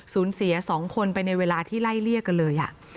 สูญเสียสองคนไปในเวลาที่ไล่เรียกกันเลยอ่ะ